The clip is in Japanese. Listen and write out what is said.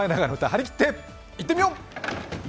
張り切っていってみよう！